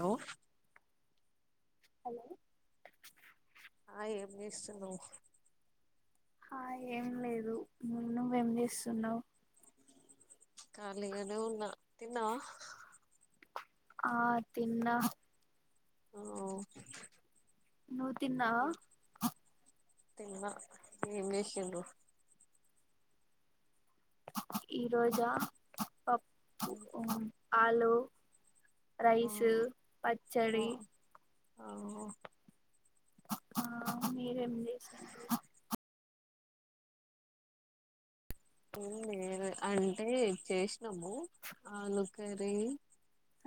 ఏవ హలో ఆ ఏం చేస్తున్నావ్ ఆ ఏం లేదు ను నువ్వేంచేస్తున్నావ్ కాలీగానే ఉన్నా తిన్నావా ఆ తిన్నా ఓ నూ తన్నా తన్న ఏం చేసినారు ఈ రోజా ఓ ఆలు ఆ రైస్ పచ్చడి అఓ ఆ మీరేం చేసిరు లేే అంటే చేసినాము ఆలు కర్రీ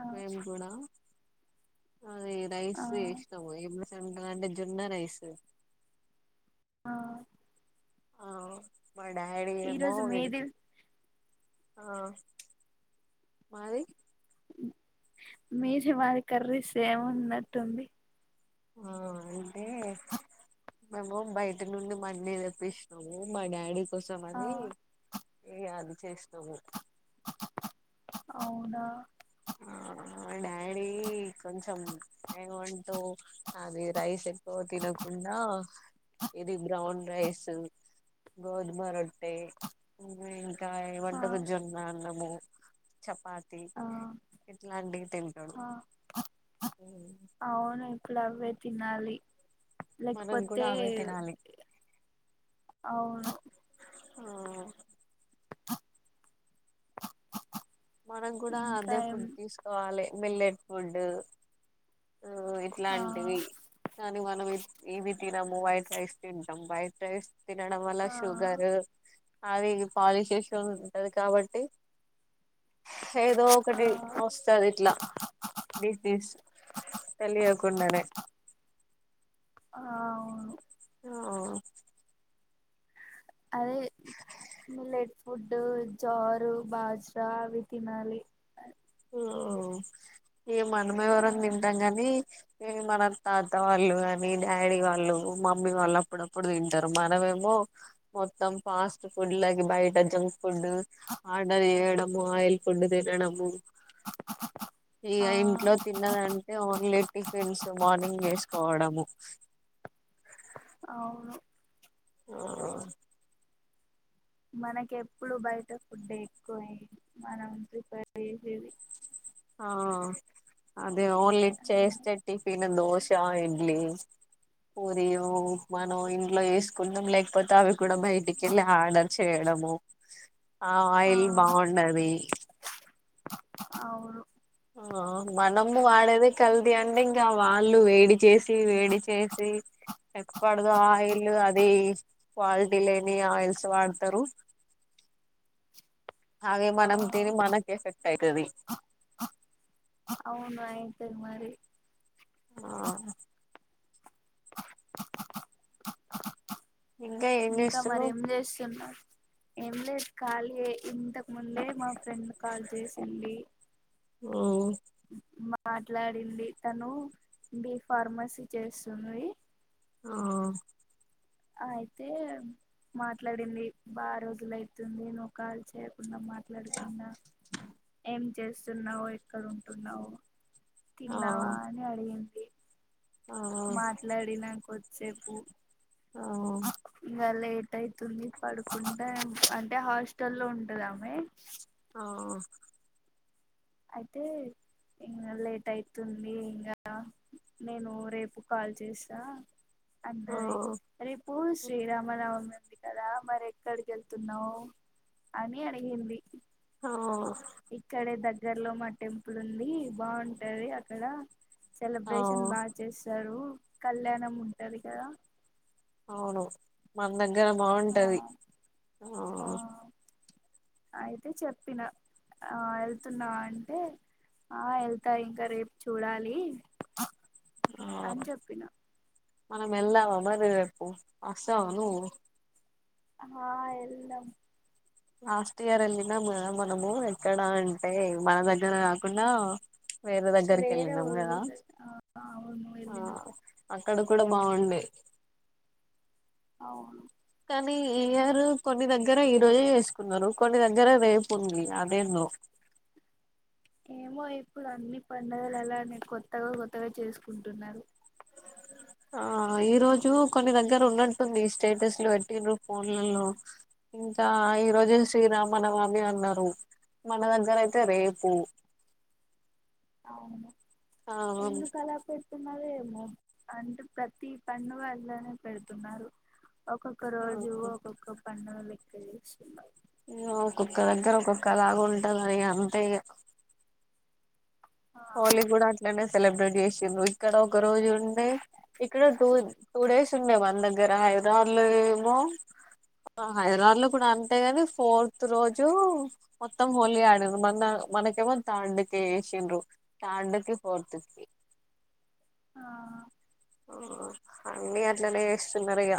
ఆ మేము కూడా అదే రైస్ ఆ ఇష్టం ఎ సంకటీ అంటే జోన్న రైస్. ఆ ఆవ్. మా డాడీ ఏమో ఈరోజు వేయి మీది ఆహ్ మాది. మీది మాది కర్రీ సేమ్ ఉన్నట్టుంది. ఆహ్ అంటే మేము బయట నుండి మండి తెప్పించినం మా డాడీకి కోసం ఆ అని. యా అది చేసినాము. అవునా. ఆ మా డాడీ కొంచెం ఏమంటూ అది రైస్ ఎక్కువ తినకుండా ఇది బ్రౌన్ రైస్ గోధుమ రొట్టె ఉమ్. కాయమ్మ ఆ ఏమంటారు జొన్న రొ. మో చపాతి. ఆ ఇట్లాంటివి తింటాడు. ఆ అవును అవే తినాలి. మనం కూడా లేక్పోతే అవే తినాలి అవును. ఆ మనం కూడా ఇంకా ఏం అదేఫుడ్ తీసుకోవాలే. Millet food. నువ్వు ఆ ఇట్లాంటివి కానీ మనం ఇప్ ఇవి తినము వాయిట్. రైస్ తింటం వైట్ రైస్. తినడం వల్ల ఆ షుగరు. అది ఇగ్ పాలిష్ జేషెది ఉంటది కాబట్టి. ఏదో ఒకటి ఆ వస్తది ఇట్లా డిసిస్ తెలియకుండనే. ఆహ్ అవును. ఆవ్. అదే మీల్లెట్ ఫుడ్డు జారు బాద్షా అవి తినాలి. ఓ ఇగ మనమేవరం తింటం గని. ఉమ్ మన తాత వాళ్ళు గాని డాడీ వాళ్ళు మమ్మీ వాళ్ళు అప్పుడప్పుడు తింటారు. మనమేమో మొత్తం ఫాస్ట్ ఫుడ్ లకి బయట జంక్ ఫుడ్ అర్డర్ చేయడం. మొ ఆయిల్ ఫుడ్డు తినడము. ఇగ ఆ ఇంట్లో తిన్నదంటే ఓన్లీ టిఫిన్స్ మార్నింగ్ చేసుకోవడము. అవును. ఆహ్. మనకెప్పుడు బయట ఫుడ్డె ఎక్కువ మనం ప్రిఫర్ చేసేది. ఆహ్ అద్ ఓన్లీ చేస్తే టిఫిన్ దోస్ షా ఇడ్లీ, పూరియొ, మనం ఇంట్లా జెసుకున్నాం లేకపోతే అవి. కూడా బయటికెల్లి ఆర్డర్. చేయడమో ఆ ఆయిల్ బావుండది అవును ఆ మనము వాడేది కల్తి అంటే ఇంకా వాళ్ళు వేడి చేసి వేడి చేసి ఎప్పడదో ఆయిల్ అది క్వాలిటీ లేని ఆయిల్స్ వాడతరు అవే ఆ మనం తిని మనకేఫ్ఫెక్ట్ తయికది అవును అయితది మరి ఆ ఏం ఇంకా చేస్తున్నావ్ మరేం జేస్తున్నరు ఏం లేదు ఖాళీఏ ఇంతకు ముందే మా ఫ్రెండ్ కాల్ చేసింది హు మాట్లాడింది తను బి ఫార్మసీ చేస్తుంది ఆ అయితే మాట్లాడింది బా రోజుల అవుతుంది నువ్వు కాల్ చేయకుండా మాట్లాడకుండా ఏం చేస్తున్నావు ఎక్కడ ఉంటున్నావు తిన్నావా అని అడిగింది ఆ మాట్లాడినా కొద్దిసేప్ ఓ ఆ ఆహ్ ఇవ్వలేర్ టైతుంది పడుకుంటే అంటే హాస్టల్ లో ఉంటదామే ఆఓ అయితే ఇంగ లేట్ అవుతుంది ఇంగ నేను రేపు కాల్ చేస్తా అన్నది ఆ రేపు శ్రీరామనవమి ఉంది కదా మరి ఎక్కడికి వెళ్తున్నావ్ అని అడిగింది ఆహ్ ఇక్కడే దగ్గర్లో మా టెంపుల్ ఉంది బాగుంటది అక్కడ ఆ సెలబ్రేషన్ బాగా చేస్తారు కళ్యాణం ఉంటది కదా అవును మంద గ్గర ఆ బాగుంటది ఆ అయితే చెప్పిన ఆ ఏల్తున్నావా అంటే ఆ ఏళ్తా ఇంకా రేపు చూడాలి ఆ అని చెప్పిన మనం వెళ్దామా మరి రేపు వస్తవ నువ్వు ఆ ఎల్ల్దం లాస్ట్ ఇయర్ ఏళ్ళినం గదా మనము ఎక్కడ అంటే మన దగ్గర కాకుండా వేరే దగ్గరికి వేరే వెళ్ళినాం కదా [unintelligible] ఆ అవును ఆ వెళ్లినం అక్కడ కూడా బాగుండే అవును కానీ ఈ ఇయరు కొన్ని దగ్గర ఈ రోజే చేసుకున్నారు కొన్ని దగ్గర రేపు ఉంది అదేందో ఏమో ఇప్పుడు అన్ని పండగలు అలానే కొత్తగా కొత్తగా చేసుకుంటున్నారు ఆ ఈరోజు కొన్ని దగ్గర ఉన్నట్టుంది స్టేటస్లు పెట్టిన్ర ఫోన్లలో ఇంకా ఈ రోజు శ్రీరామనవమి అన్నారు మన దగ్గర అయితే రేపు అవును ఆ ఎందుకు అలా పెట్తున్నదేమో అంటే ప్రతి పండుగ అలానే పెడుతున్నారు ఒక్కొక్క రోజు ఒక్కొక్క పడుగ లెక్క చేస్తున్నారు ఒక్కొక్క దగ్గర ఒక్కొక్కలాగా ఉంటంది అరి అంతే ఇక ఆ హోలీ గూడా అట్లనే సెలబ్రేట్ చేసిరు ఇక్కడ ఒక రోజు ఉండే ఇక్కడ టూ టూ డేస్ ఉండే మన దగ్గర హైదరాబాద్ లో ఏమో హైదరాబాద్ లో కూడా అంతేగాని ఫోర్త్ రోజు మొత్తం హోలీ ఆడి్ర మన మనకేమో థర్డ్ క వసిండ్రు తాడుకి పోర్తుకి ఆ అన్నీ అట్లనే చేస్తున్నారిక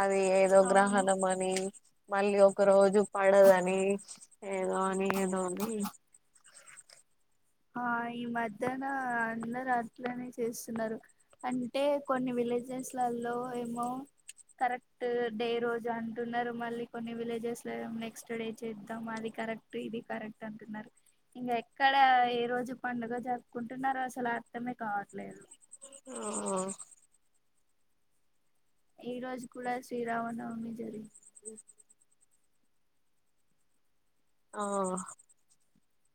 అది ఏదో అవును గ్రహణం అని మళ్ళీ ఒక రోజు పడదని ఏదోని ఏదోని ఆ ఈ మధ్యన అందరు అట్లనే చేస్తున్నారు అంటే కొన్ని విలేజెస్లలో ఏమో కరెక్ట్ డే రోజు అంటున్నారు మళ్ళీ కొన్ని విలేజెస్ లోనెక్స్ట్ డే చేద్దాం మళ్ళీ కరెక్ట్ ఇది కరెక్ట్ అంటున్నారు ఇంక ఎక్కడ ఈ రోజు పండుగ జరుపుకుంటున్నారు అసలు అర్థమే కావట్లేదు ఆ ఈ రోజు కూడా శ్రీరామనవమి జరిగింది అ ఆ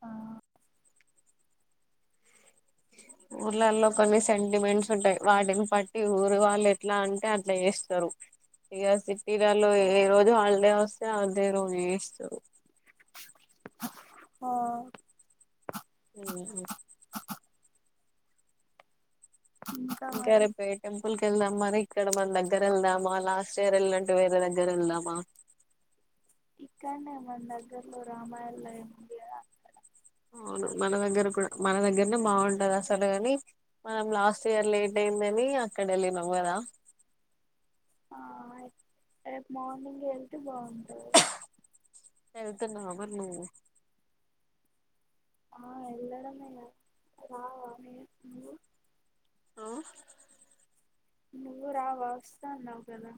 ఆ ఊర్లలో కొన్ని సెంటిమెంట్స్ ఉంటాయి వాటిని బట్టి ఊరు వాళ్ళు ఎట్లా అంటే అట్లా చేస్తారు ఇక సిటీలలో ఏ రోజు హాలిడే వస్తే అదే రోజు చేస్తారు ఆ ఉ ఇంకా గర మరి ప టెంపుల్ వెళ్దాం మరి ఇక్కడ మన దగ్గర వెళ్దామా లాస్ట్ ఇయర్ వెళ్ళినంటే వేరే దగ్గర వెళ్దామా ఇక్కనేే మన దగ్గర్లో రామాలయం ఉంది అక్కడ అవును మన దగ్గర కూడా మన దగ్గరనే బాగుంటది అసలుగాని మనం లాస్ట్ ఇయర్ లేట్ అయిందని అక్కడ వెళ్ళినాము కదా ఆ రేపు మార్నింగ్ వెళ్తే బాగుంటది వెళ్తున్నావా మరి నువ్వు ఆ ఎల్లడమేనా ఆఓ నువ్వు రావా వస్తన్నావ్ గదా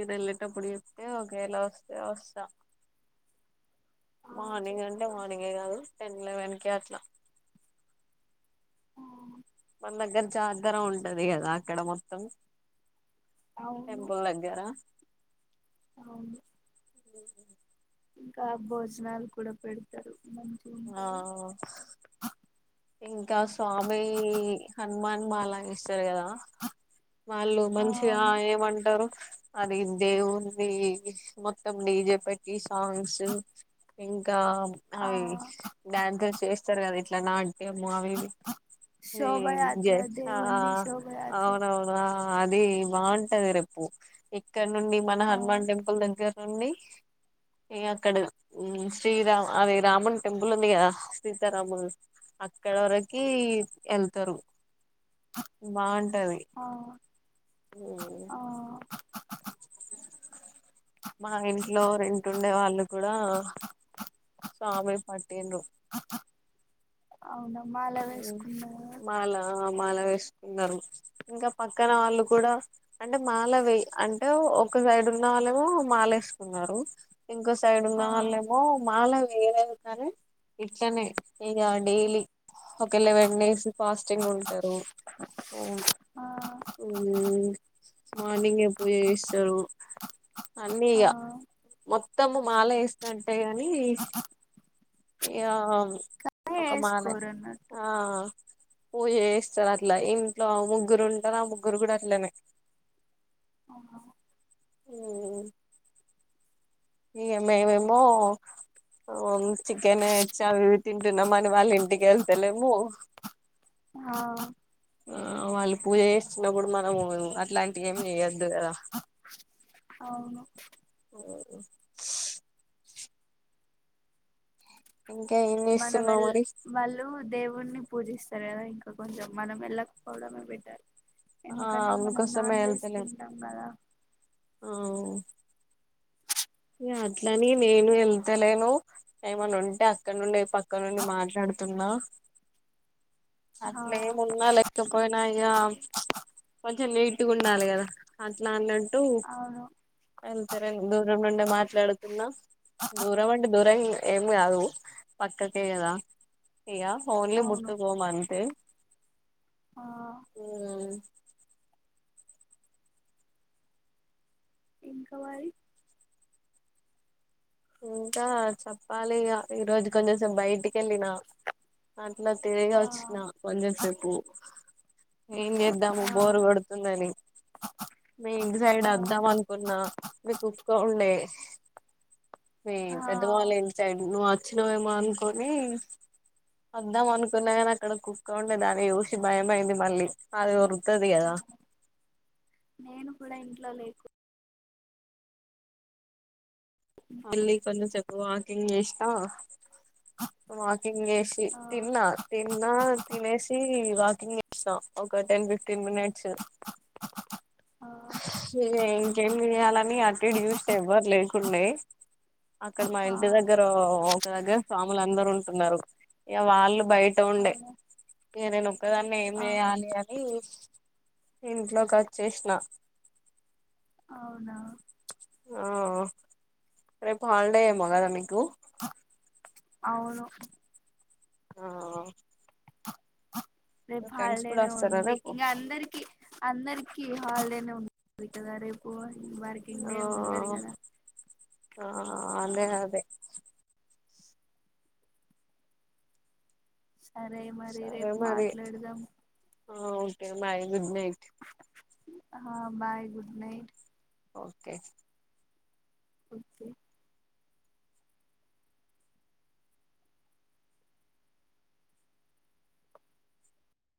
ఈడ ఎల్లేటప్పుడుచెప్తే ఒకేల వస్తే వస్తా ఆ మార్నింగ్ అంటే చెప్తా మార్నింగే కాదు టెన్ లెవెన్ కి అట్లా మ దగ్గర జాగర ఉంటది కదా అక్కడ మొత్తం అవును టెంపుల్ దగ్గర అవును ఉ ఇంకా భోజనాలు కూడా పెడతారు మంచిగా ఆ ఉంటాయి ఇంకా స్వామి హనుమాన్ బాలాష్ వారు కదా వాళ్ళు ఆ మంచిగా అవును ఏమంటారు అది దేవున్ది మొత్తం డీజే పెట్టి సాంగ్స్ ఇంకా, ఆ అవి డ్యాంకలు చేస్తారు కదా ఇట్ల్ ల నాట్ ట్యము అవి ఇవి శోభయాత్ర జేస్ ఆ దేవుంది ఆ శోభయాత్ర అవును అవును హ అదే బాగుంటది రెప్పు ఎ క్కడ నుండి మన ఆ హనుమాన్ టెంపుల్ దగ్గర్ నుండి ఇగ అక్కడ శ్రీరాం అది రామున్ టెంపుల్ ఉంది కదా సీతారాముల్. అక్కడ వరకి వెళ్తారు బాం టది ఆ మ్మ్ ఆ మా ఇంట్లో రెంటుండే వాళ్ళు కూడా స్వామి పట్టిన్రు అవునా మాల మ్మ్ వేసుకున్నారా మాల ఆ మాల వేస్ కున్నరు ఇంకా పక్కన వాళ్ళు కూడా అంటే మాలవే అంటే ఒక సైడ్ ఉన్న వాళ్ళమో మాలేసుకున్నారు. ఇంకో సైడ్ ఉన్న ఆ వాళ్ళేమో మాలేం ఏదవుతారే ఇట్లనే ఇక డైలీ ఒక లెవెన్ డేస్ ఫాస్టింగ్ ఉంటారు ఉమ్ మార్నింగే పూజ చేస్సరు, అన్నీ ఆ ఆ ఇగ మొ తమ్ము మాల వేస్తం టె కానీ ఇగాం ఒక మాలే వేసుకోరు అన్నట్టు ఆ పూజేస్తారు అట్లా ఇంట్లో ముగ్గురు ఉంటారు ఆ ముగ్గురు కూడా అట్లనే అవునా ఉమ్ ఇగ మేమేమో వం చికెన్ చావివి తింటున్నామని వాళ్ళ ఇంటికి వెళ్తలేము. హా ఆ వాళ్ళు పూజ చేస్తున్నప్పుడు మనము అట్లాంటివి ఏమి చేయద్ దుగదా అవును మ్ ఉ ఇంకా ఏం మనం చేస్తున్నావు వెల్ మరి వాళ్ళు దేవుణ్ణి పూజిస్తారు కదా ఇంకా కొంచెం మనం వెళ్ళకపోవడమే బెటర్ ఆ ఎందుకంటే మనం అందుకోసమే నాన్ వెజ్ వెళ్తలేం తింటాం కదా ఆ అట్లని నేను వెళ్తలేను ఏమనా ఉంటే అక్కడ నుండి పక్క నుండి మాట్లాడుతుందా ఆ అట్లే ఉన్నా లేకి పోయినా య్య కొ నీటుగా ఉండాలి కదా అట్లా అన్న టు అవును తరంగ నుండి మాట్లాడుతున్నా దూరం అంటే దూరం ఏం కాదు పక్కకే కదా ఇక ఓన్లీ అవును ముట్టుకోం అంతే ఆ అ ఇంకా మరి ఇంకా చెప్పాలి ఇగ ఈరోజు కొంచెంసపు బయటికి వెళ్ళిన నా తిరిగి ఆ వచ్చిన కొంచం సేపు పో ఏం చేద్దాము ఆ బోరు కొడుతుందని మీ ఇంటి సైడ్ ఆ వద్దాం అనుకున్నా మీకు కుక్క ఉండే మీ ఆ పెద్దఅమ్మ ఇంటి సైడ్ నువ్వు వచ్చినవేమో అనుకొని వద్దాం అనుకున్నా కాని అక్కడ కుక్క ఉండే దాన్ని చూసి భయమయింది మళ్ళీ అది దరుతుది కదా నేను కూడా ఇంట్లో లేకు మళ్ళీ కొంతసేపు వాకింగ్ చేసినా వాకింగ్ చేసి ఆ తిన్నా తిన్నా తినేసి వాకింగ్ చేస్తాం ఒక టెన్ ఫిఫ్టీన్ మినిట్స్ ఆ ఇంకేం చేయాలని అటు చూస్తే ఎవ్వరు లేకుండే అక్కడ మా ఆ ఇంటి దగ్గర ఒక దగ్గర స్వాములు అందరు ఉంటున్నారు ఇక వాళ్ళు బయట ఉండే అవునా ఇక నేను ఒక్కదాన్ని ఏం ఆ చేయాలి అని ఇంట్లోకి వచ్చేసిన అవునా ఆ రేపు హాలిడే ఏమో కదా మీకు అవును ఆ రేపు ఫ్రెండ్స్ కూడా హాడేనే వస్తారా ఉంది రేపు ఇంకా అందరికి అందరికి హాల్డేనే రేపు వర్కింగ్ డే ఉండదు ఆఓ కదా ఆ ఆ అదే అదే అరే మరి సరే రేపు మరి మాట్లాడదాం ఓకే బాయ్ గుడ్ నైట్ హ bye good night okay okay